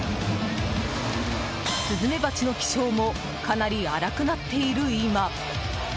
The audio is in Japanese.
スズメバチの気性もかなり荒くなっている今。